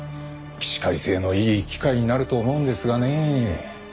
起死回生のいい機会になると思うんですがねえ。